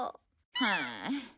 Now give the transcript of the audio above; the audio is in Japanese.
はあ。